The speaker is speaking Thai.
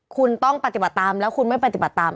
คุณต้องปฏิบัติตามแล้วคุณไม่ปฏิบัติตาม